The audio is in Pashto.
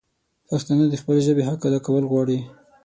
پښتانه د خپلي ژبي حق ادا کول غواړي